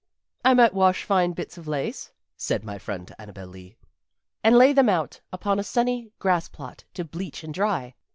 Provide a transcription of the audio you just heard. "I might wash fine bits of lace," said my friend Annabel Lee, "and lay them out upon a sunny grass plot to bleach and dry.